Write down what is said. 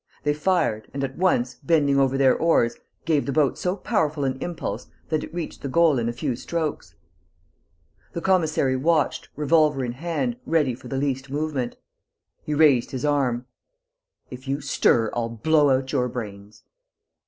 They fired and, at once, bending over their oars, gave the boat so powerful an impulse that it reached the goal in a few strokes. The commissary watched, revolver in hand, ready for the least movement. He raised his arm: "If you stir, I'll blow out your brains!"